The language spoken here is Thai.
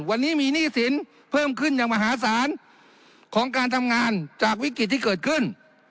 วันนี้มีหนี้สินเพิ่มขึ้นอย่างมหาศาลของการทำงานจากวิกฤตที่เกิดขึ้น